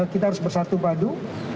kita harus bersatu padu